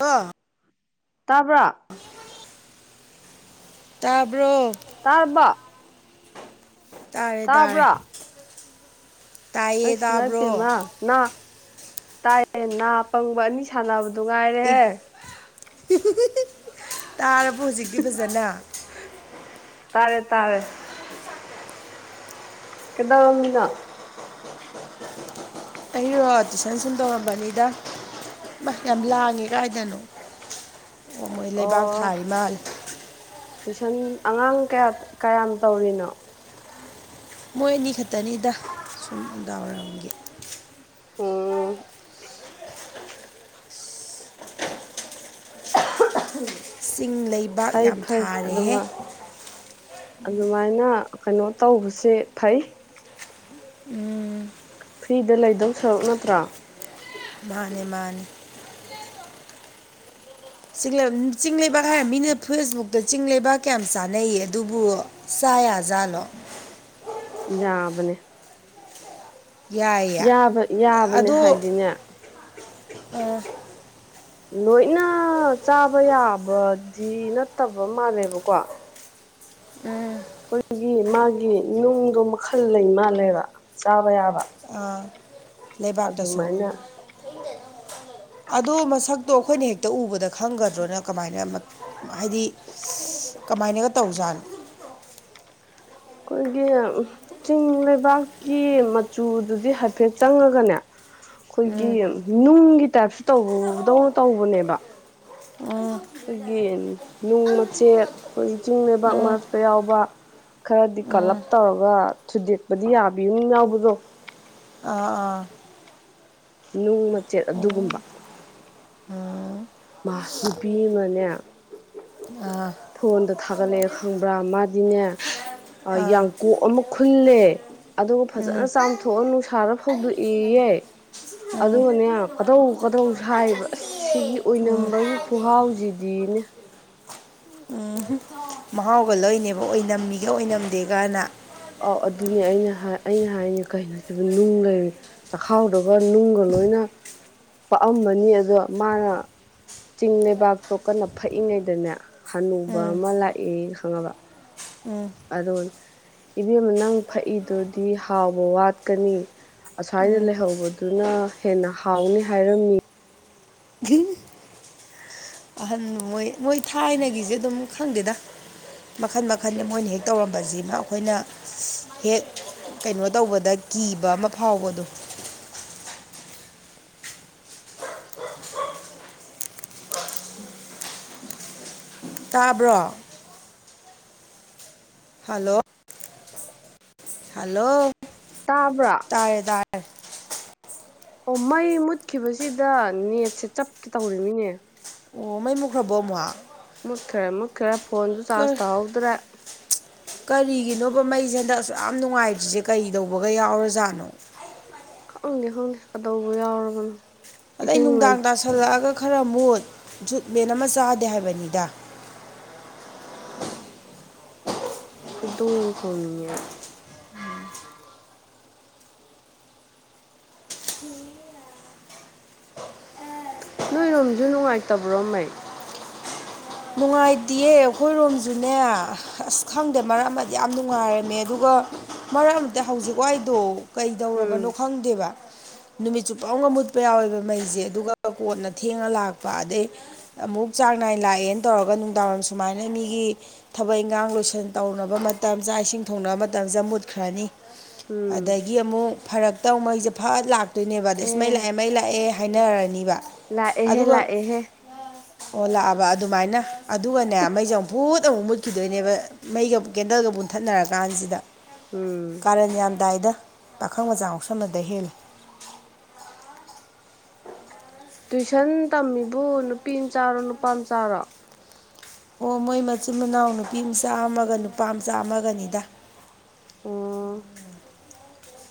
ꯑ ꯇꯥꯕ꯭ꯔꯥ ꯇꯥꯕ꯭ꯔꯣ ꯇꯥꯔꯕ ꯇꯥꯔꯦ ꯇꯥꯔꯦ ꯇꯥꯕ꯭ꯔꯥ ꯇꯥꯏꯌꯦ ꯇꯥꯕ꯭ꯔꯣ ꯑꯁꯃꯗꯃ ꯅ ꯇꯥꯏ ꯅꯥ ꯄꯪꯕ ꯑꯅꯤ ꯁꯥꯟꯅꯕꯗꯨ ꯉꯥꯏꯔꯦꯍꯦ ꯇꯥꯔꯕ ꯍꯧꯖꯤꯛꯇꯤ ꯐꯖꯅ ꯇꯥꯔꯦ ꯇꯥꯔꯦ ꯀꯗꯥꯝꯅꯣ ꯑꯩꯔꯣ ꯇꯨꯏꯁꯟ ꯁꯨꯝ ꯇꯧꯔꯝꯕꯅꯤꯗ ꯁ ꯌꯥꯝ ꯂꯥꯡꯉꯦ ꯀꯥꯏꯗꯅꯣ ꯑꯣ ꯃꯣꯏ ꯂꯩꯕꯥꯛ ꯑꯣ ꯊꯥꯔꯤ ꯃꯥꯜꯂꯦ ꯇꯨꯏꯁꯟ ꯑꯉꯥꯡ ꯀꯌꯥ ꯀꯌꯥꯝ ꯇꯧꯔꯤꯅꯣ ꯃꯣꯏ ꯑꯅꯤ ꯈꯛꯇꯅꯤꯗ ꯁꯨꯝ ꯗꯥꯎꯔꯝꯒꯦ ꯎꯝ ꯆꯤꯡ [unintelligible] ꯂꯩꯕꯥꯛ ꯐꯩ ꯌꯥꯝ ꯐꯩ ꯊꯥꯔꯦꯍꯦ ꯑꯗꯨꯃ ꯑꯗꯨꯃꯥꯏꯅ ꯀꯩꯅꯣ ꯇꯧꯕꯁꯦ ꯐꯩ ꯎꯝ ꯐ꯭ꯔꯤꯗ ꯂꯩꯗꯧ ꯁꯔꯨꯛ ꯅꯠꯇ꯭ꯔꯥ ꯃꯥꯅꯦ ꯃꯥꯅꯦ ꯆꯤꯡ ꯂꯩꯕꯥꯛ ꯆꯤꯡ ꯂꯩꯕꯥꯛ ꯍꯥꯏꯔ ꯃꯤꯅ ꯐꯦꯁꯕꯨꯛꯇ ꯆꯤꯡ ꯂꯩꯕꯥꯛ ꯀꯌꯥꯝ ꯆꯥꯅꯩꯌꯦ ꯑꯗꯨꯕꯨ ꯆꯥꯌꯖꯥꯠꯂꫭ ꯌꯥꯕꯅꯦ ꯌꯥꯏꯌꯦ ꯌꯥꯕ ꯌꯥꯕꯅꯦ ꯑꯗꫭ ꯍꯥꯏꯗꯤꯅꯦ ꯑꯥ ꯂꯣꯏꯅ ꯆꯥꯕ ꯌꯥꯕꯗꯤ ꯅꯠꯇꯕ ꯃꯥꯜꯂꯦꯕꯀꯣ ꯑꯩꯈꯣꯏꯒꯤ ꯃꯥꯒꯤ ꯅꯨꯡꯗꯣ ꯃꯈꯜ ꯂꯩ ꯃꯥꯜꯂꯦꯕ ꯆꯥꯕ ꯌꯥꯕ ꯑꯥ ꯂꯩꯕꯥꯛꯇꯁꯨ ꯑꯗꯨꯃꯥꯏꯅ [unintelligible] ꯑꯗꯣ ꯃꯁꯛꯇꯣ ꯑꯩꯈꯣꯏꯅ ꯍꯦꯛꯇ ꯎꯕꯗ ꯈꯪꯒꯗ꯭ꯔꯣꯅ ꯀꯃꯥꯏꯅ ꯍꯥꯏꯗꯤ ꯀꯃꯥꯏꯅꯒ ꯇꯧꯖꯥꯠꯅꯣ ꯑꯩꯈꯣꯏꯒꯤ ꯆꯤꯡ ꯂꯩꯕꯥꯛꯀꯤ ꯃꯆꯨꯗꯨꯗꯤ ꯍꯥꯏꯐꯦꯠ ꯆꯪꯉꯒꯅꯦ ꯑꯩꯈꯣꯏꯒꯤ ꯎꯝ ꯅꯨꯡꯒꯤ ꯇꯥꯏꯞꯁꯨ ꯇꯧꯕꯗꯧꯅ ꯇꯧꯕꯅꯦꯕ ꯎꯝ ꯑꯩꯈꯣꯏꯒꯤ ꯅꯨꯡ ꯃꯆꯦꯛ ꯑꯩꯈꯣꯏꯒꯤ ꯆꯤꯡ ꯂꯩꯕꯥꯛ ꯎꯝ ꯃꯔꯛꯇ ꯌꯥꯎꯕ ꯈꯔꯗꯤ ꯎꯝ ꯀꯜꯂꯞ ꯇꯧꯔꯒ ꯊꯨꯗꯦꯛꯄꯗꯤ ꯌꯥꯕꯤ ꯑꯃꯥ ꯌꯥꯎꯕꯗꯣ ꯑꯥ ꯑꯥ ꯅꯨꯡ ꯃꯆꯦꯠ ꯑꯗꯨꯒꯨꯝꯕ ꯑꯥ ꯃꯥ ꯅꯨꯄꯤ ꯑꯃꯅꯦ ꯑꯥ ꯐꯣꯟꯗ ꯊꯥꯒꯠꯂꯛꯑꯦ ꯈꯪꯕ꯭ꯔꯥ ꯃꯥꯗꯤꯅꯦ ꯑꯥ ꯌꯥꯡꯀꯣꯛ ꯑꯃ ꯈꯨꯜꯂꯦ ꯑꯗꯨꯒ ꯐꯖꯅ ꯎꯝ ꯆꯥꯝꯊꯣꯛꯑ ꯅꯨꯡꯁꯥꯗ ꯐꯧꯗꯣꯛꯑꯦꯌꯦ ꯑꯗꯨꯒꯅꯦ ꯀꯗꯧ ꯀꯗꯧ ꯁꯥꯏꯔꯤꯕ ꯑꯁ ꯁꯤꯒꯤ ꯑꯣꯏꯅꯝꯕꯒꯤ ꯈꯨꯍꯥꯎꯁꯤꯗꯤꯅꯦ ꯎꯝ ꯃꯍꯥꯎꯒ ꯂꯣꯏꯅꯦꯕ ꯑꯣꯏꯅꯝꯃꯤꯒ ꯑꯣꯏꯅꯝꯗꯦꯒꯅ ꯑꯧ ꯑꯗꯨꯅꯦ ꯑꯩꯅ ꯍꯥꯏ ꯑꯩꯅ ꯍꯥꯏꯅꯤ ꯀꯩꯅꯣꯁꯤꯕꯨ ꯅꯨꯡ ꯂꯩꯔꯤ ꯆꯈꯥꯎꯗꯒ ꯅꯨꯡꯒ ꯂꯣꯏꯅ ꯄꯥꯛꯑꯝꯃꯅꯤ ꯑꯗꯣ ꯃꯥꯅ ꯆꯤꯡ ꯂꯩꯕꯥꯛꯇꯣ ꯀꯟꯅ ꯐꯛꯏꯉꯩꯗꯅꯦ ꯍꯅꯨꯕ ꯎꯝ ꯑꯃ ꯂꯥꯛꯑꯦ ꯈꯪꯉꯕ ꯎꯝ ꯑꯗꯣ ꯏꯕꯦꯝꯃ ꯅꯪ ꯐꯛꯏꯗꯨꯗꯤ ꯍꯥꯎꯕ ꯋꯥꯠꯀꯅꯤ ꯑꯁ꯭ꯋꯥꯏꯗ ꯂꯩꯍꯧꯕꯗꯨꯅ ꯍꯦꯟꯅ ꯍꯥꯎꯅꯤ ꯍꯥꯏꯔꯝꯃꯤ [unintelligible] ꯑꯍꯥꯟ ꯃꯣꯏ ꯃꯣꯏ ꯊꯥꯏꯅꯒꯤꯁꯦ ꯑꯗꯨꯝ ꯈꯪꯗꯦꯗꯥ ꯃꯈꯟ ꯃꯈꯜ ꯃꯣꯏꯅ ꯍꯦꯛ ꯇꯧꯔꯝꯕꯁꯤꯃ ꯑꯩꯈꯣꯏꯅ ꯍꯦꯛ ꯀꯩꯅꯣ ꯇꯧꯕꯗ ꯀꯤꯕ ꯑꯃ ꯐꯥꯎꯕꯗꯣ ꯇꯥꯕ꯭ꯔꯣ ꯍꯜꯂꯣ ꯍꯜꯂꯣ ꯇꯥꯕ꯭ꯔꫭ ꯇꯥꯔꯦ ꯇꯥꯔꯦ ꯑꯣ ꯃꯩ ꯃꯨꯠꯈꯤꯕꯁꯤꯗ ꯅꯦꯠꯁꯦ ꯆꯞꯀꯦ ꯇꯧꯔꯤꯕꯅꯤꯅꯦ ꯃꯨꯠꯈꯥꯔꯕꫭ ꯑꯃꯨꯛ ꯃꯨꯠꯈ꯭ꯔꯦ ꯃꯨꯠꯈ꯭ꯔꯦ ꯐꯣꯟꯁꯨ ꯆꯥꯔꯖ ꯇꯥꯍꯧꯗ꯭ꯔꯦ ꯀꯔꯤꯒꯤꯅꯣꯕ ꯃꯩꯁꯦ ꯍꯟꯗꯛꯁꯨ ꯌꯥꯝ ꯅꯨꯡꯉꯥꯏꯇ꯭ꯔꯤꯁꯦ ꯀꯩꯗꯧꯕꯒ ꯌꯥꯎꯔꯖꯥꯠꯅꯣ ꯈꯪꯪꯗꯦ ꯈꯪꯗꯦ ꯀꯗꯧꯕ ꯌꯥꯎꯔꯕꯅꯣ ꯑꯗꯩ ꯏꯁꯤꯡ ꯂꯩ ꯅꯨꯡꯗꯥꯡ ꯇꯥꯁꯜꯂꯛꯑꯒ ꯈꯔ ꯃꯣꯠ ꯖꯨꯠ ꯃꯦꯟ ꯑꯃ ꯆꯥꯗꯦ ꯍꯥꯏꯕꯅꯤꯗ ꯈꯨꯣꯏꯗꯧ ꯑꯗꯨꯝ ꯁꯣꯡꯅꯤꯡꯉꯥꯏ ꯍ ꯑ ꯅꯣꯏꯔꯣꯝꯁꯨ ꯅꯨꯡꯉꯥꯏꯇꯕ꯭ꯔꯣ ꯃ ꯅꯨꯡꯉꯥꯏꯇꯌꯦ ꯑꯩꯈꯣꯏꯔꯣꯝꯁꯨꯅꯦ ꯑꯁ ꯈꯪꯗꯦ ꯃꯔꯛ ꯑꯃꯗꯤ ꯌꯥꯝ ꯅꯨꯡꯉꯥꯏꯔꯝꯃꯦ ꯑꯗꯨꯒ ꯃꯔꯝꯗꯤ ꯍꯧꯖꯤꯛꯋꯥꯏꯗꯣ ꯎꯝ ꯀꯩꯗꯧꯔꯕꯅꯣ ꯈꯪꯗꯦꯕ ꯅꯨꯃꯤꯠꯁꯨ ꯄꯥꯎꯒ ꯃꯨꯠꯄ ꯌꯥꯎꯋꯦꯕ ꯃꯩꯁꯦ ꯑꯗꯨꯒ ꯀꯣꯟꯠꯅ ꯊꯦꯡꯉ ꯂꯥꯛꯄ ꯑꯗꯩ ꯑꯃꯨꯛ ꯆꯥꯡ ꯅꯥꯏ ꯂꯥꯛꯑꯦꯅ ꯇꯧꯔꯒ ꯅꯨꯡꯗꯥꯡ ꯋꯥꯏꯝ ꯁꯨꯃꯥꯏꯅ ꯃꯤꯒꯤ ꯊꯕꯛ ꯏꯟꯈꯥꯡ ꯂꯣꯏꯁꯟ ꯇꯧꯅꯕ ꯃꯇꯝ ꯆꯥꯛ ꯏꯁꯤꯡ ꯊꯣꯡꯅꯕ ꯃꯇꯝꯁꯦ ꯃꯨꯠꯈ꯭ꯔꯅꯤ ꯎꯝ ꯑꯗꯒꯤ ꯑꯃꯨꯛ ꯐꯔ ꯇꯧꯉꯩꯁꯦ ꯐꯠ ꯂꯥꯛ ꯑꯗꯨꯣꯏꯅꯦꯕ ꯑꯗ ꯑꯁ ꯑꯦ ꯃꯩ ꯂꯥꯛꯑꯦ ꯃꯩ ꯂꯥꯛꯑꯦ ꯍꯥꯏꯅꯔꯅꯤꯕ ꯂꯥꯛꯑꯦꯍꯦ ꯑꯗꯨꯒ ꯂꯥꯛꯑꯦꯍꯦ ꯑꯣ ꯂꯥꯛꯑꯕ ꯑꯗꯨꯃꯥꯏꯅ ꯑꯗꯨꯒꯅꯦ ꯃꯩꯁꯦ ꯑꯃꯨꯛꯐꯨꯠ ꯑꯃꯨꯛ ꯃꯨꯠꯈꯤꯗꯣꯏꯅꯦꯕ ꯃꯩꯒ ꯀꯦꯟꯗꯜꯒ ꯃꯨꯟꯊꯠꯅꯔ ꯀꯥꯟꯁꯤꯗ ꯎꯝ ꯀꯥꯔꯟ ꯌꯥꯝ ꯇꯥꯏꯗ ꯄꯥꯈꯪ ꯃꯆꯥ ꯉꯥꯎꯁꯟꯅꯕꯗꯩ ꯍꯦꯜꯂꯤ ꯇꯨꯏꯁꯟ ꯇꯝꯃꯤꯕꯨ ꯅꯨꯄꯤ ꯃꯆꯥꯔꯣ ꯅꯨꯄꯥ ꯃꯆꯥꯔꯣ ꯑꯣ ꯃꯣꯏ ꯃꯆꯤꯟ ꯃꯅꯥꯎ ꯅꯨꯄꯤ ꯃꯆꯥ ꯑꯃꯥꯒ ꯅꯨꯄꯥ ꯃꯆꯥ ꯑꯃꯥꯒꯅꯤꯗ ꯑꯣ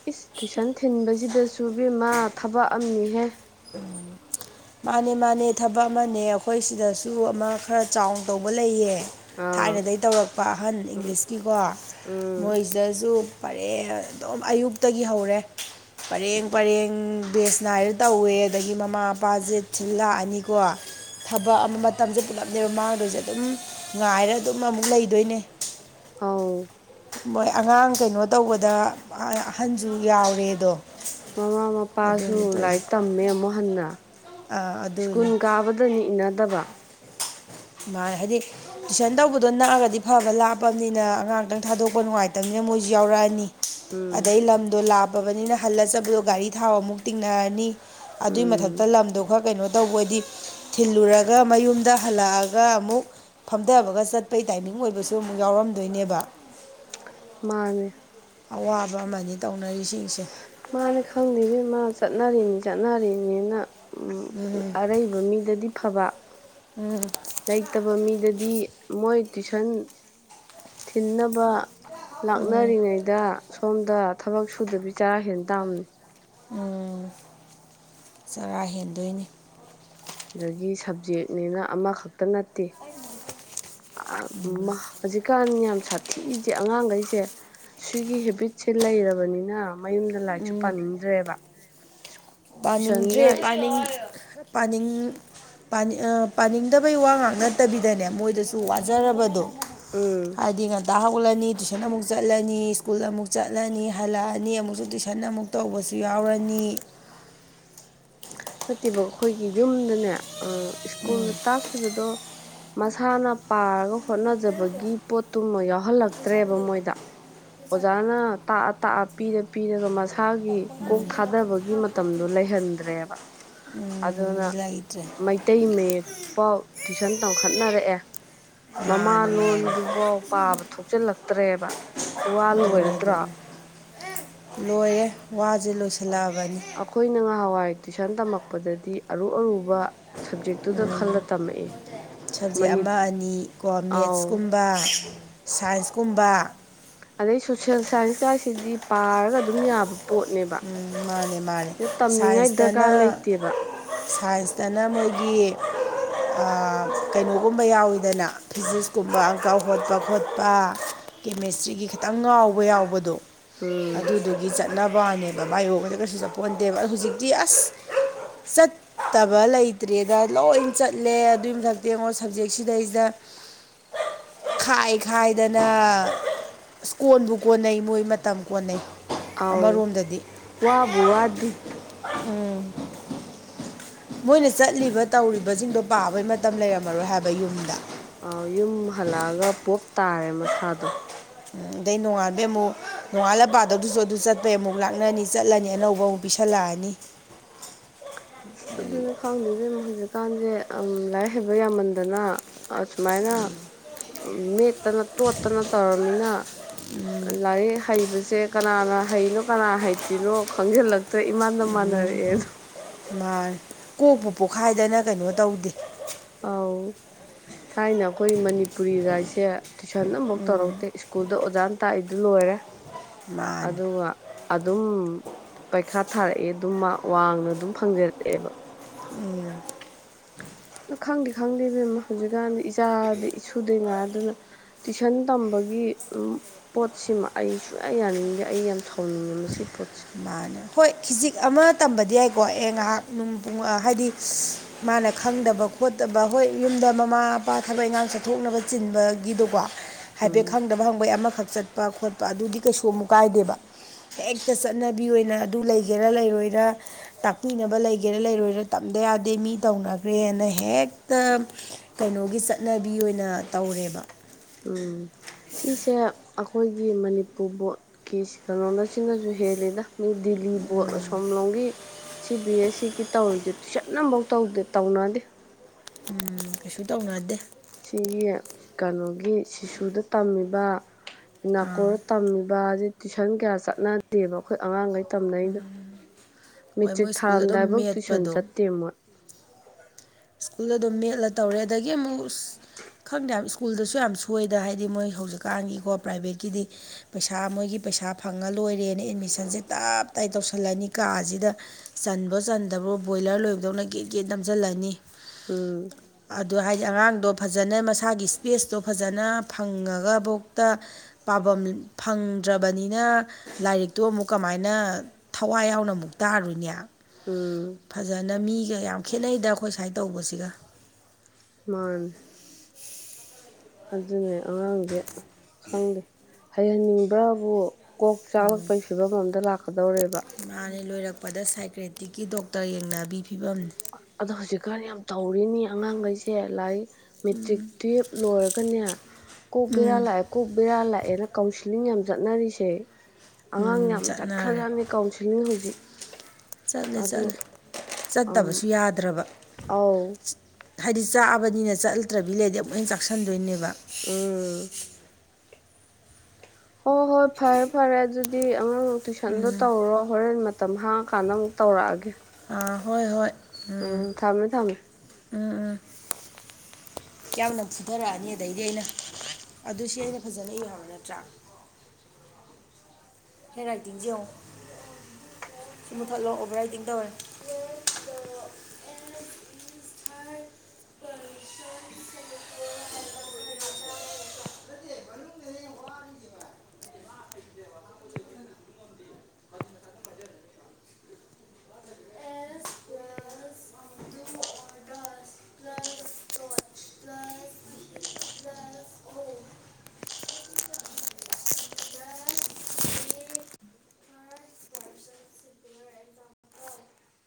ꯏꯁ ꯇꯨꯏꯁꯟ ꯊꯤꯟꯕꯖꯤꯗꯁꯨ ꯏꯕꯦꯝꯃꯥ ꯊꯕꯛ ꯑꯃꯥꯅꯤꯍꯦ [unintelligible] ꯃꯥꯅꯦ ꯃꯥꯅꯦ ꯊꯕꯛ ꯑꯃꯅꯦ ꯑꯩꯈꯣꯏ ꯁꯤꯗꯁꯨ ꯑꯃꯥ ꯈꯔ ꯆꯥꯎꯅ ꯇꯧꯕ ꯂꯩꯌꯦ ꯑꯥ ꯊꯥꯏꯅꯗꯩ ꯇꯧꯔꯛꯄ ꯑꯍꯟ ꯎꯝ ꯏꯪꯂꯤꯁꯀꯤꯀꯣ ꯎꯝ ꯃꯣꯏ ꯁꯤꯗꯁꯨ ꯄꯔꯦ ꯑꯗꯨꯝ ꯑꯌꯨꯛꯇꯒꯤ ꯍꯧꯔꯦ ꯄꯔꯦꯡ ꯄꯔꯦꯡ ꯕꯦꯁ ꯅꯥꯏꯔ ꯇꯧꯋꯦ ꯑꯗꯒꯤ ꯃꯃꯥ ꯃꯄꯥꯖꯦ ꯊꯤꯜ ꯂꯥꯛꯑꯅꯤ ꯀꯣ ꯊꯕꯛ ꯑꯃ ꯃꯇꯝꯁꯦ ꯄꯨꯂꯞꯅꯦꯕ ꯃꯥꯡꯗꯣꯏꯁꯦ ꯑꯗꯨꯝ ꯉꯥꯏꯔ ꯑꯗꯨꯝ ꯑꯃꯨꯛ ꯂꯩꯗꯣꯏꯅꯦ ꯑꯥꯎ ꯃꯣꯏ ꯑꯉꯥꯡ ꯀꯩꯅꯣ ꯇꯧꯕꯗ ꯑꯍꯟꯁꯨ ꯌꯥꯎꯔꯦꯗꯣ ꯃꯃꯥ ꯃꯄꯥꯁꯨ ꯂꯥꯏꯔꯤꯛ ꯇꯝꯃꯦ ꯑꯃꯨꯛ ꯍꯟꯅ ꯑꯥ ꯁ꯭ꯀꯨꯜ ꯑꯗꯨꯅꯤ ꯀꯥꯕꯗꯅꯤ ꯏꯅꯗꯕ ꯃꯥ ꯍꯥꯏꯗꯤ ꯇꯨꯏꯁꯟ ꯇꯧꯕꯗꯣ ꯅꯛꯑꯒꯗꯤ ꯐꯕ ꯂꯥꯞꯄꯕꯅꯤꯅ ꯑꯉꯥꯡꯥꯛꯇꯪ ꯊꯥꯗꯣꯛꯄ ꯅꯨꯡꯉꯥꯏꯇꯕꯅꯤꯅ ꯃꯣꯏꯁꯨ ꯌꯥꯎꯔꯛꯑꯅꯤ ꯎꯝ ꯑꯗꯩ ꯂꯝꯗꯣ ꯂꯥꯞꯄꯕꯅꯤꯅ ꯍꯜꯂꯆꯕꯗꯣ ꯒꯥꯔꯤ ꯊꯥꯎ ꯑꯃꯨꯛ ꯇꯤꯡꯅꯔꯅꯤ ꯑꯗꯨꯏ ꯃꯊꯛꯇ ꯎꯝ ꯂꯝꯗꯣ ꯈꯔ ꯀꯩꯅꯣ ꯇꯧꯕꯗꯤ ꯊꯤꯜꯂꯨꯔꯒ ꯃꯌꯨꯝꯗ ꯍꯜꯂꯛꯑꯒ ꯒ ꯑꯃꯨꯛ ꯐꯝꯊꯕꯒ ꯆꯠꯄꯩ ꯇꯥꯏꯃꯤꯡ ꯑꯣꯏꯕꯁꯨ ꯑꯃꯨꯛ ꯌꯥꯎꯔꯝꯗꯣꯏꯅꯦꯕ ꯃꯥꯅꯦ ꯑꯋꯥꯕ ꯑꯃꯅꯤ ꯇꯧꯅꯔꯤꯁꯤꯡꯁꯦ ꯃꯥꯅ ꯈꯪꯗ꯭ꯉ ꯃꯥ ꯆꯠꯅꯔꯤꯅꯤ ꯆꯠꯅꯔꯤꯅꯦꯅ ꯎꯝ ꯑꯔꯩꯕ ꯃꯤꯗꯗꯤ ꯐꯕ ꯎꯝ ꯂꯩꯇꯕ ꯃꯤꯗꯗꯤ ꯃꯣꯏ ꯇꯨꯏꯁꯟ ꯊꯤꯟꯅꯕ ꯎꯝ ꯂꯥꯛꯅꯔꯤꯉꯩ ꯗ ꯁꯣꯝꯗ ꯊꯕꯛ ꯁꯨꯗꯕꯤ ꯆꯔꯥ ꯍꯦꯟ ꯇꯥꯝꯅꯤ ꯎꯝ ꯆꯔꯥ ꯍꯦꯟꯗꯣꯏꯅꯤ ꯑꯗꯒꯤ ꯁꯕꯖꯦꯛꯅꯦꯅ ꯑꯃꯥꯈꯛꯇ ꯅꯠꯇꯦ ꯑꯃꯥ ꯍꯧꯖꯤꯛꯀꯥꯟ ꯌꯥꯝ ꯁꯥꯊꯤꯁꯦ ꯑꯉꯥꯡꯒꯩꯖꯦ ꯁꯤꯒꯤ ꯍꯦꯕꯤꯠꯁꯦ ꯂꯩꯔꯕꯅꯤꯅ ꯃꯌꯨꯝꯗ ꯂꯥꯏꯔꯤꯛꯁꯨ ꯎꯝ ꯄꯥꯅꯤꯡꯗ꯭ꯔꯦꯕ ꯄꯥꯅꯤꯡꯗ꯭ꯔꯦ ꯇꯨꯏꯁꯟꯒ ꯄꯅꯤꯡ ꯄꯥꯅꯤꯡ ꯄꯥꯅꯤ ꯑ ꯄꯥꯅꯤꯡꯗꯕꯩ ꯋꯥ ꯉꯥꯛ ꯅꯠꯇꯕꯤꯗꯅꯦ ꯃꯣꯏꯗꯁꯨ ꯋꯥꯖꯔꯕꯗꯣ ꯎꯝ ꯍꯥꯏꯗꯤ ꯉꯟꯇ ꯍꯧ ꯒꯠꯂꯅꯤ ꯇꯨꯏꯁꯟ ꯑꯃꯨꯛ ꯆꯠꯂꯅꯤ ꯏꯁ꯭ꯀꯨꯜ ꯑꯃꯨꯛ ꯆꯠꯂꯅꯤ ꯍꯜꯂꯛꯑꯅꯤ ꯑꯃꯨꯛꯁꯨ ꯇꯨꯏꯁꯟ ꯑꯃꯨꯛ ꯄꯨ ꯇꯧꯕꯁꯨ ꯌꯥꯎꯔꯅꯤ ꯅꯠꯇꯦꯕ ꯑꯩꯈꯣꯏꯒꯤ ꯌꯨꯝꯗꯅꯦ ꯑ ꯏꯁ꯭ꯀꯨꯜꯗ ꯇꯥꯛꯈꯤꯕꯗꯣ ꯃꯁꯥꯅ ꯄꯥꯔꯒ ꯍꯣꯠꯅꯖꯕꯒꯤ ꯄꯣꯠꯇꯨꯃ ꯌꯥꯎꯍꯜꯂꯛꯇ꯭ꯔꯦꯕ ꯃꯣꯏꯗ ꯑꯣꯖꯥꯅ ꯇꯥꯛꯑ ꯇꯥꯛꯑ ꯄꯤꯔ ꯄꯤꯔꯒ ꯃꯁꯥꯒꯤ ꯀꯣꯛ ꯊꯥꯗꯕꯒꯤ ꯃ ꯃꯇꯝꯗꯣ ꯂꯩꯍꯟꯗ꯭ꯔꯦꯕ ꯎꯝ, ꯑꯗꯨꯅ ꯂꯩꯇ꯭ꯔꯦ ꯃꯩꯇꯩ ꯃꯌꯦꯛꯄꯥꯎ ꯇꯨꯏꯁꯟ ꯇꯧꯈꯠꯅꯔꯛꯑꯦ ꯃꯃꯥ ꯃꯥꯅꯤ ꯃꯥꯅꯤ ꯂꯣꯟꯗꯨꯕꯥꯎ ꯄꯥꯕ ꯊꯣꯛꯆꯜꯂꯛꯇ꯭ꯔꯦꯕ ꯁꯤ ꯋꯥ ꯑꯗꯨꯅꯤ ꯂꯣꯏꯔꯗ꯭ꯔꫭ ꯑꯗꯨꯅꯤ ꯂꯣꯏꯔꯦ ꯋꯥꯖꯦ ꯂꯣꯏꯁꯜꯂꯛꯑꯕꯅꯤ ꯑꯈꯣꯏꯅ ꯉꯍꯥꯟꯋꯥꯏ ꯇꯨꯏꯁꯟ ꯇꯝꯃꯛꯄꯗꯗꯤ ꯑꯔꯨ ꯑꯔꯨꯕ ꯁꯕꯖꯦꯛꯇꯨꯗ ꯈꯜꯂ ꯎꯝ, ꯇꯝꯃꯛꯑꯦ ꯁꯕꯖꯦꯛ ꯃꯅꯤ ꯑꯥꯎ ꯕ ꯁꯥꯏꯟꯁꯀꯨꯝꯕ ꯑꯗꯩ ꯁꯣꯁꯦꯜ ꯁꯥꯏꯟꯁꯀꯥꯏꯁꯤꯗꯤ ꯄꯥꯔꯒ ꯑꯗꯨꯝ ꯌꯥꯕ ꯄꯣꯠꯅꯦꯕ ꯎꯝ ꯃꯥꯅꯦ ꯃꯥꯅꯦ ꯁꯤꯗ ꯇꯝꯅꯤꯡꯉꯥꯏ ꯗꯔꯀꯥꯔ ꯁꯥꯏꯟꯁꯇꯅ ꯂꯩꯇꯦꯕ ꯁꯥꯏꯟꯁꯇꯅ ꯃꯣꯏꯒꯤ ꯀꯩꯅꯣꯒꯨꯝꯕ ꯌꯥꯎꯋꯤꯗꯅ ꯐꯤꯖꯤꯛꯁꯀꯨꯝꯕ ꯑꯪꯀ ꯍꯣꯠꯄ ꯈꯣꯠꯄ ꯀꯦꯃꯦꯁꯇ꯭ꯔꯤꯒꯤ ꯈꯤꯇꯪ ꯉꯥꯎꯕ ꯌꯥꯎꯕꯗꯣ ꯎꯝ ꯑꯗꯨꯗꯨꯒꯤ ꯆꯠꯅꯕꯥꯋꯥꯅꯦꯕ ꯃꯥꯏꯌꯣꯛꯇ ꯀꯩꯁꯨ ꯆꯠꯄꯣꯟꯇꯦꯕ ꯍꯧꯖꯤꯛꯇꯤ ꯑꯁ ꯆꯠ ꯇꯕ ꯂꯩꯇ꯭ꯔꯦꯗ ꯂꯣꯏ ꯆꯠꯂꯦ ꯑꯗꯨꯏ ꯃꯊꯛꯇ ꯌꯦꯡꯉꯣ ꯁꯞꯖꯦꯛꯁꯤꯗꯩꯖꯤꯗ [inaudible] ꯈꯥꯏ ꯈꯥꯏꯗꯅ ꯏꯁ ꯀꯣꯟꯕꯨ ꯀꯣꯟꯅꯩ ꯃꯣꯏ ꯃꯇꯝ ꯀꯣꯟꯅꯩ ꯑꯧ ꯋꯥꯕꯨ ꯋꯥꯗꯦ ꯎꯝ ꯃꯣꯏꯅ ꯆꯠꯂꯤꯕ ꯇꯧꯔꯤꯕꯖꯤꯡꯗꯣ ꯄꯥꯕꯩ ꯃꯇꯝ ꯂꯩꯔꯝꯃꯔꯣꯏ ꯍꯥꯏꯕ ꯌꯨꯝꯗ ꯑ ꯌꯨꯝ ꯍꯜꯂꯛꯑꯒ ꯄꯣꯞ ꯇꯥꯔꯦ ꯃꯁꯥꯗꯣ ꯎꯝ ꯑꯗꯩ ꯅꯣꯡꯉꯥꯟꯕꯩ ꯑꯃꯨꯛ ꯅꯣꯡꯉꯥꯜꯂ ꯄꯥꯗꯧꯗꯨꯁꯨ ꯗꯨ ꯆꯠꯄꯩ ꯑꯃꯨꯛ ꯂꯥꯛꯅꯅꯤ ꯆꯠꯂꯅꯤ ꯑꯅꯧꯕ ꯑꯃꯨꯛ ꯄꯤꯁꯟꯂꯛꯑꯅꯤ ꯑꯗꯨꯅ ꯈꯪꯗꯦ ꯏꯕꯦꯝꯃ ꯍꯧꯖꯤꯛꯀꯥꯟꯖꯦ ꯑꯝ ꯂꯥꯏꯔꯤꯛ ꯍꯩꯕ ꯌꯥꯝꯃꯟꯗꯅ ꯑ ꯑꯁꯨꯃꯥꯏꯅ ꯃꯦꯠꯇꯅ ꯇꯣꯠꯇꯅ ꯇꯧꯔꯝꯅꯤꯅ ꯂꯥꯏꯔꯤꯛ ꯍꯩꯕꯁꯦ ꯀꯅꯥꯅ ꯍꯩꯅꯣ ꯀꯅꯥꯅ ꯍꯩꯇ꯭ꯔꯤꯅꯣ ꯈꯪꯖꯤꯜꯂꯛꯇ꯭ꯔꯦ ꯏꯃꯥꯟꯗ ꯃꯥꯟꯅꯔꯛꯑꯦꯗꯣ ꯃꯥꯅꯤ ꯀꯣꯛꯄꯨ ꯄꯣꯛꯈꯥꯏꯗꯅ ꯀꯩꯅꯣ ꯇꯧꯗꯦ ꯑꯥꯎ ꯊꯥꯏꯅ ꯑꯩꯈꯣꯏ ꯃꯅꯤꯄꯨꯔꯤ ꯒꯥꯏꯁꯦ ꯇꯨꯏꯁꯟ ꯑꯝꯕꯧ ꯇꯧꯔꯛꯇꯦ ꯏꯁ꯭ꯀꯨꯜꯗ ꯑꯣꯖꯥꯅ ꯇꯥꯛꯏꯗꯨ ꯂꯣꯏꯔꯦ ꯃꯥꯅꯤ ꯑꯗꯨꯒ ꯑꯗꯨꯝ ꯄꯩꯈꯥ ꯊꯥꯔꯛꯑꯦ ꯑꯗꯨꯝ ꯃꯥꯛ ꯋꯥꯡꯅ ꯑꯗꯨꯝ ꯐꯪꯖꯔꯛꯑꯦꯕ ꯎꯝ ꯑꯗꯨ ꯈꯪꯗꯦ ꯈꯪꯗꯦ ꯏꯕꯦꯝꯃ ꯍꯧꯖꯤꯛꯀꯥꯟꯗꯤ ꯏꯆꯥꯗꯤ ꯏꯁꯨꯗꯩ ꯉꯥꯗꯅ ꯇꯨꯏꯁꯟ ꯇꯝꯕꯒꯤ ꯄꯣꯠꯁꯤꯃ ꯑꯩ ꯁꯨꯌꯥ ꯌꯥꯅꯤꯡꯗꯦ ꯑꯩ ꯌꯥꯝ ꯁꯥꯎꯅꯤꯡꯉꯦ ꯃꯁꯤ ꯄꯣꯠꯁꯦ ꯃꯥꯅꯦ ꯍꯣꯏ ꯈꯤꯖꯤꯛ ꯑꯃ ꯇꯝꯕꯗꯤ ꯌꯥꯏꯀꯣ ꯑꯦ ꯉꯥꯏꯍꯥꯛ ꯅꯨꯡ ꯄꯨꯡ ꯍꯥꯏꯗꯤ ꯃꯥꯅ ꯈꯪꯗꯕ ꯈꯣꯠꯇꯕ ꯍꯣꯏ ꯌꯨꯝꯗ ꯃꯃꯥ ꯃꯄꯥ ꯊꯕꯛ ꯏꯪꯈꯥꯡ ꯆꯠꯊꯣꯛꯅꯕ ꯆꯤꯟꯕꯒꯤꯗꯣꯀꯣ ꯍꯥꯏꯐꯦꯠ ꯎꯝ ꯈꯪꯗꯕ ꯍꯪꯕꯩ ꯑꯃꯈꯛ ꯆꯠꯄ ꯈꯣꯠꯄ ꯑꯗꯨꯗꯤ ꯀꯩꯁꯨ ꯑꯃꯨꯛ ꯀꯥꯏꯗꯦꯕ ꯍꯦꯛꯇ ꯆꯠꯅꯕꯤ ꯑꯣꯏꯅ ꯑꯗꯨ ꯂꯩꯒꯦꯔꯥ ꯂꯩꯔꯣꯏꯔꯥ ꯇꯥꯛꯄꯤꯅꯕ ꯂꯩꯒꯦꯔꯥ ꯂꯩꯔꯣꯏꯔ ꯇꯝꯗ ꯌꯥꯗꯦ ꯃꯤ ꯇꯧꯅꯈ꯭ꯔꯦꯅ ꯍꯦꯛꯇ ꯀꯩꯅꯣꯒꯤ ꯆꯠꯅꯕꯤ ꯑꯣꯏꯅ ꯇꯧꯔꯦꯕ ꯎꯝ ꯁꯤꯁꯦ ꯑꯩꯈꯣꯏꯒꯤ ꯃꯅꯤꯄꯨꯔ ꯕꯣꯠꯀꯤ ꯀꯩꯅꯣꯅ ꯁꯤꯅꯁꯨ ꯍꯦꯜꯂꯤꯗ ꯃꯤ ꯗꯤꯜꯂꯤ ꯕꯣꯠ ꯑꯁꯣꯝ ꯂꯣꯡꯒꯤ ꯁꯤ ꯕꯤ ꯑꯦꯁ ꯁꯤꯒꯤ ꯇꯧꯔꯤꯁꯦ ꯇꯨꯏꯁꯟ ꯑ ꯑꯃꯐꯧ ꯇꯧꯗꯦ ꯇꯧꯅꯗꯦ ꯎꯝ ꯀꯩꯁꯨ ꯇꯧꯅꯗꯦ ꯁꯤꯒꯤ ꯀꯩꯅꯣꯒꯤ ꯁꯤꯁꯨꯗ ꯇꯝꯃꯤꯕ ꯑꯥ ꯅꯥꯀꯣꯔꯗ ꯇꯝꯃꯤꯕ ꯑꯩ ꯇꯨꯏꯁꯟ ꯀꯌꯥ ꯆꯠꯅ ꯆꯗꯦꯕ ꯑꯩꯈꯣꯏ ꯑꯉꯥꯡꯈꯩ ꯇꯝꯅꯔꯤꯗꯣ ꯍꯣꯏ ꯃꯦꯇ꯭ꯔꯤꯛ ꯃꯣꯏ ꯁ꯭ꯀꯨꯜ ꯑꯗꯨꯝ ꯊꯥꯔꯝꯗꯥꯏꯐꯥꯎ ꯇꯨꯏꯁꯟ ꯃꯦꯠꯄꯗꯣ ꯆꯠꯇꯦ ꯃꯣꯏ ꯁ꯭ꯀꯨꯜꯗ ꯑꯗꯨꯝ ꯃꯦꯠꯂ ꯇꯧꯔꯦ ꯑꯗꯒꯤ ꯑꯃꯨꯛ ꯈꯪꯗꯦ ꯌꯥꯝ ꯁ꯭ꯀꯨꯜꯗꯁꯨ ꯌꯥꯝ ꯁꯣꯏꯗꯅ ꯍꯥꯏꯗꯤ ꯃꯣꯏ ꯍꯧꯖꯤꯛꯀꯥꯟꯒꯤꯀꯣ ꯄ꯭ꯔꯥꯏꯚꯦꯠꯀꯤꯗꯤ ꯄꯩꯁꯥ ꯃꯣꯏꯒꯤ ꯄꯩꯁꯥ ꯐꯪꯉ ꯂꯣꯏꯔꯦꯅ ꯑꯦꯠꯃꯤꯁꯟꯁꯦ ꯇꯞ ꯇꯥꯏ ꯇꯧꯁꯤꯜꯂꯅꯤ ꯀꯥꯁꯤꯗ ꯆꯟꯕ꯭ꯔꯣ ꯆꯟꯗꯕ꯭ꯔꯣ ꯕꯣꯏꯂꯔ ꯂꯣꯏꯕꯗꯧꯅ ꯒꯦꯠ ꯒꯦꯠ ꯅꯝꯁꯤꯜꯂꯅꯤ ꯎꯝ ꯑꯗꯨ ꯍꯥꯏꯗꯤ ꯑꯉꯥꯡꯗꯣ ꯐꯖꯅ ꯃꯁꯥꯒꯤ ꯏꯁꯄꯦꯁꯇꯣ ꯐꯖꯅ ꯐꯪꯉꯒꯐꯧꯇ ꯄꯥꯐꯝ ꯐꯪꯗ꯭ꯔꯕꯅꯤꯅ ꯂꯥꯏꯔꯤꯛꯇꯨ ꯑꯃꯨꯛ ꯀꯃꯥꯏꯅ ꯊꯋꯥꯏ ꯌꯥꯎꯅ ꯑꯃꯨꯛ ꯇꯥꯔꯨꯏꯅꯦ ꯎꯝ ꯐꯖꯅ ꯃꯤꯒ ꯌꯥꯝ ꯈꯦꯠꯅꯩꯗ ꯑꯩꯈꯣꯏ ꯁꯨꯃꯥꯏꯅ ꯇꯧꯕꯁꯤꯒ ꯃꯥꯥꯟ ꯑꯗꯨꯅꯦ ꯑꯉꯥꯡꯁꯦ ꯈꯪꯗꯦ ꯍꯩꯍꯟꯅꯤꯡꯕ꯭ꯔꯥꯕꯨ ꯀꯣꯛ ꯆꯥꯛꯂꯛꯄꯒꯤ ꯐꯤꯕꯝ ꯑꯝꯗ ꯂꯥꯛꯀꯗꯧꯔꯦꯕ ꯏꯃꯥꯅꯦ ꯂꯣꯏꯔꯛꯄꯗ ꯁꯥꯏꯀ꯭ꯔꯦꯇꯤꯛꯀꯤ ꯗꯣꯛꯇꯔ ꯌꯦꯡꯅꯕꯤ ꯐꯤꯕꯝꯅꯤ ꯑꯗꯣ ꯍꯧꯖꯤꯛꯀꯥꯟ ꯌꯥꯝ ꯇꯧꯔꯤꯅꯤ ꯑꯉꯥꯡꯈꯩꯁꯦ ꯂꯥꯏꯔꯤꯛ ꯃꯦꯇ꯭ꯔꯤꯛ ꯇꯨꯌꯦꯜꯞ ꯂꯣꯏꯔꯒꯅꯦ ꯀꯣꯛ ꯕꯦꯔꯥ ꯎꯝ ꯂꯥꯛꯑ ꯀꯣꯛ ꯕꯤꯦꯔꯥꯜ ꯂꯥꯛꯑꯦꯅ ꯀꯥꯎꯟꯁꯤꯂꯤꯡ ꯌꯥꯝꯅ ꯆꯠꯅꯔꯤꯁꯦ ꯑꯉꯥꯡ ꯎꯝ ꯌꯥꯝ ꯆꯠꯅꯔꯦ ꯆꯠꯈ꯭ꯔꯖꯥꯠꯅꯤ ꯀꯥꯎꯟꯁꯤꯂꯤꯡ ꯍꯧꯖꯤꯛ ꯆꯠꯂꯦ ꯑꯗꯣ ꯆꯠꯂꯦ ꯆꯠꯇꯕꯁꯨ ꯌꯥꯗ꯭ꯔꯕ ꯑꯥꯎ ꯍꯥꯏꯗꯤ ꯆꯥꯛꯕꯅꯤꯅ ꯆꯠꯂꯨꯛꯇ꯭ꯔꯕꯤ ꯂꯩꯔꯗꯤ ꯑꯃꯨꯛ ꯍꯪ ꯆꯥꯛꯁꯟꯗꯣꯏꯅꯦꯕ ꯎꯝ ꯍꯣꯏ ꯍꯣꯏ ꯐꯔꯦ ꯐꯔꯦ ꯑꯗꯨꯗꯤ ꯑꯉꯥꯡ ꯇꯨꯏꯁꯟꯗꯣ ꯎꯝ ꯇꯧꯔꯣ ꯍꯣꯔꯦꯟ ꯃꯇꯝ ꯍꯥꯡꯉ ꯀꯥꯟꯗ ꯑꯃꯨꯛ ꯇꯧꯔꯛꯑꯒꯦ ꯑꯥ ꯍꯣꯏ ꯍꯣꯏ ꯎꯝ ꯊꯝꯃꯦ ꯊꯝꯃꯦ ꯎꯝ ꯎꯝ ꯌꯥꯝꯅ ꯐꯨꯊꯔꯛꯑꯅꯤ ꯑꯗꯩꯗꯤ ꯑꯩꯅ ꯑꯗꯨꯁ ꯑꯩꯅ ꯐꯖꯅ ꯏꯌꯨ ꯍꯥꯏꯕ ꯅꯠꯇ꯭ꯔꯥ ꯍꯦ ꯔꯥꯏꯇꯤꯡꯁꯦ ꯌꯦꯡꯉꯣ ꯁꯤ ꯃꯨꯊꯠꯂꯣ ꯑꯣꯕꯔ ꯔꯥꯏꯇꯤꯡ ꯇꯧꯔꯦ [inaudible] [inaudible]